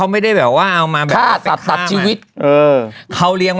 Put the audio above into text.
ไม่ได้